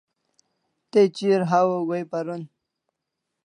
Te chi'r hawaw goi'n paron